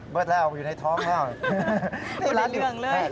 เบิร์ตแล้วอยู่ในท็อมมาก